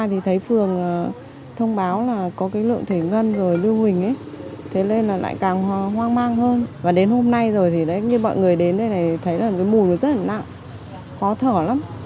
thông báo là có cái lượng thủy ngân rồi lưu hình ấy thế nên là lại càng hoang mang hơn và đến hôm nay rồi thì đấy như mọi người đến đây này thấy là cái mùi nó rất là nặng khó thở lắm